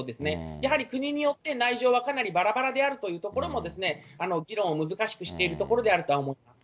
やはり国によって、内情はかなりばらばらであるというところも、議論を難しくしているところであると思います。